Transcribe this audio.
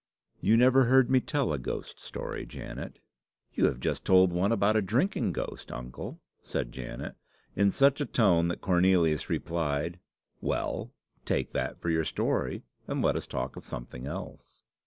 "You never heard me tell a ghost story, Janet." "You have just told one about a drinking ghost, uncle," said Janet in such a tone that Cornelius replied "Well, take that for your story, and let us talk of something else."